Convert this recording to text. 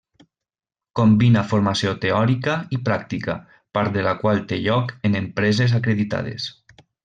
Combina formació teòrica i pràctica, part de la qual té lloc en empreses acreditades.